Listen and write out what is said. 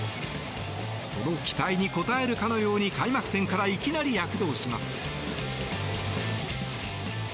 その期待に応えるかのように開幕戦からいきなり躍動します。